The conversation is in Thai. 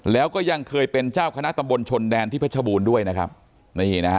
แล้วก็ยังเคยเป็นเจ้าคณะตำบลชนแดนที่เพชรบูรณ์ด้วยนะครับนี่นะฮะ